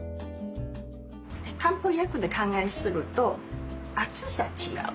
漢方薬で考えすると熱さ違う。